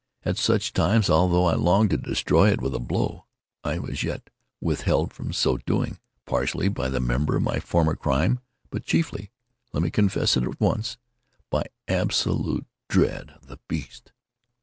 At such times, although I longed to destroy it with a blow, I was yet withheld from so doing, partly by a memory of my former crime, but chiefly—let me confess it at once—by absolute dread of the beast.